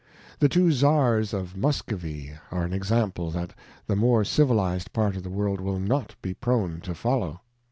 The two * Czars of Muscovy are an Example that the more civihzM part of the World will not be prone to follow.